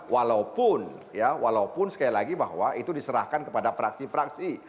walaupun ya walaupun sekali lagi bahwa itu diserahkan kepada fraksi fraksi